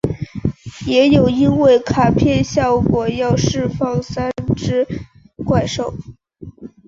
也有因为卡片效果要解放三只怪兽。